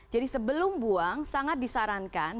jadi sebelum buang sangat disarankan